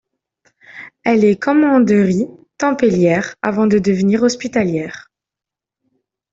Elle est commanderie templière avant de devenir hospitalière.